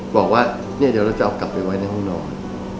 บอกว่าเนี่ยเดี๋ยวเราจะเอากลับไปไว้ในห้องนอน